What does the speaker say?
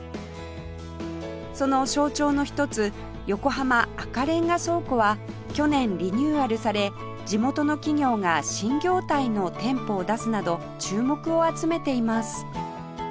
その象徴の一つ横浜赤レンガ倉庫は去年リニューアルされ地元の企業が新業態の店舗を出すなど注目を集めています